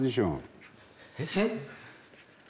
えっ？